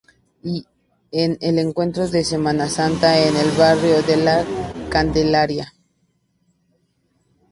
Y el encuentro de Semana Santa, en el barrio de La Candelaria.